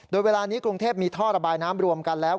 โดยเวลานี้กรุงเทพมีท่อระบายน้ำรวมกันแล้ว